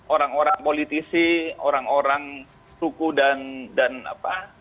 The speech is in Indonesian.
orang orang politisi orang orang suku dan apa